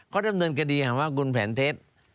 เขาดำเนินคดีหาว่าคุณแผนเท็จ